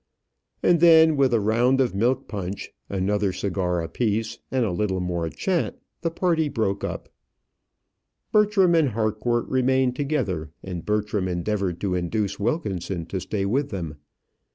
And then, with a round of milk punch, another cigar apiece, and a little more chat, the party broke up. Bertram and Harcourt remained together, and Bertram endeavoured to induce Wilkinson to stay with them.